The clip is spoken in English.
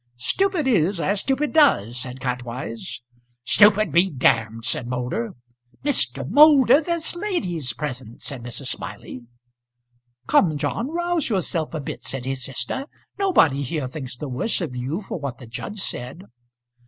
"Stupid is as stupid does," said Kantwise. "Stupid be d ," said Moulder. "Mr. Moulder, there's ladies present," said Mrs. Smiley. "Come, John, rouse yourself a bit," said his sister. "Nobody here thinks the worse of you for what the judge said."